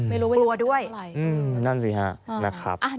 ไม่รู้ว่าจะเป็นอะไรปลัวด้วยอืมนั่นสิครับนะครับ